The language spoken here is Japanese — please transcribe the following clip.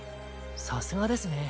さすがですね。